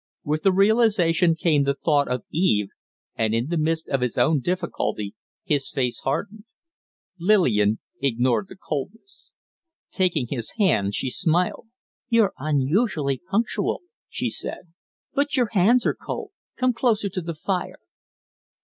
With the realization came the thought of Eve, and in the midst of his own difficulty his face hardened. Lillian ignored the coldness. Taking his hand, she smiled. "You're unusually punctual," she said. "But your hands are cold. Come closer to the fire."